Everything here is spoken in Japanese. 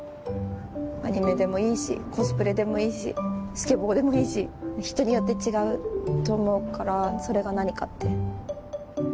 「アニメでもいいしコスプレでもいいしスケボーでもいいし人によって違うと思うからそれが何かって」。